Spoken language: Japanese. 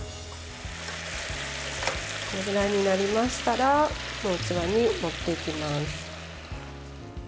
これぐらいになりましたら器に盛っていきます。